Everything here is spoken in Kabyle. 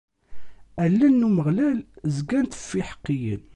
Allen n Umeɣlal zgant ɣef yiḥeqqiyen.